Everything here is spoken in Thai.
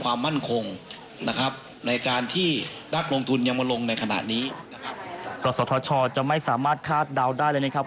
กษัตริย์ธรรมชาวจะไม่สามารถคาดดาวน์ได้เลยนะครับ